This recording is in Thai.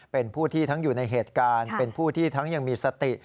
เป็นผู้ที่ทั้งอยู่ในเหตุการณ์เป็นผู้ที่ทั้งยังมีสติ